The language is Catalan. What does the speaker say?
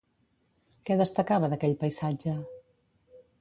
Què destacava d'aquell paisatge?